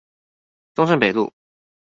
中正北路